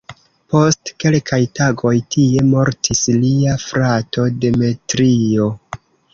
Post kelkaj tagoj tie mortis lia frato "Demetrio".